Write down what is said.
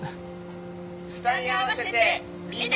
「２人合わせてみね